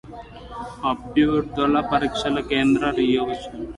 అభ్యర్థులు పరీక్ష కేంద్రాల్లో రిపోర్ట్ చేయాలి